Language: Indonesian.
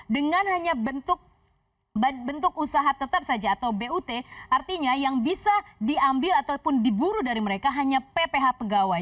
dengan hanya bentuk usaha tetap saja atau but artinya yang bisa diambil ataupun diburu dari mereka hanya pph pegawai